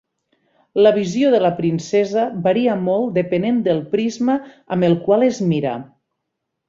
La visió de la princesa varia molt depenent del prisma amb el qual es mira.